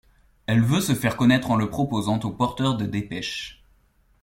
Elle veut se faire connaître en le proposant aux porteurs de dépêches.